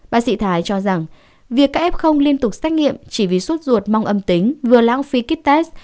bác sĩ thái cho rằng việc các f liên tục xét nghiệm chỉ vì suốt ruột mong âm tính vừa lãng phí kit test